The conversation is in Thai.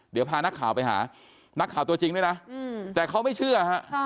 เดี๋ยวพานักข่าวไปหานักข่าวตัวจริงด้วยนะแต่เขาไม่เชื่อฮะ